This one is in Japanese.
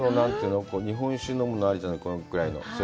錫の日本酒を飲むのに、あるじゃない、これくらいの。